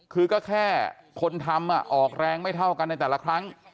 คือก็แค่คนทำออกแรงไม่เท่ากันในแต่ละครั้ง